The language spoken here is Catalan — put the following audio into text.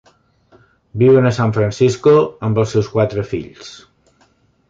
Viuen a San Francisco amb els seus quatre fills.